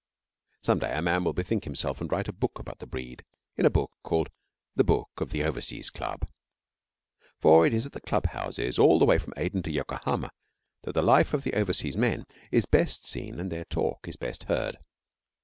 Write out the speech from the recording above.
Some day a man will bethink himself and write a book about the breed in a book called 'The Book of the Overseas Club,' for it is at the clubhouses all the way from Aden to Yokohama that the life of the Outside Men is best seen and their talk is best heard.